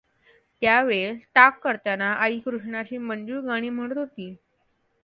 त्या वेळेस ताक करताना आई कृष्णाची मंजूळ गाणी म्हणत होती.